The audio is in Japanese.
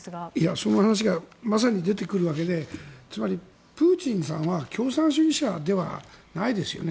その話がまさに出てくるわけでプーチンさんは共産主義者ではないですよね。